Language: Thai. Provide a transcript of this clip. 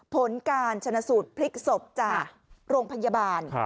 ผลการชนะสูตรพลิกศพจากโรงพยาบาล